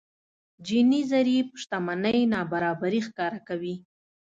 جيني ضريب شتمنۍ نابرابري ښکاره کوي.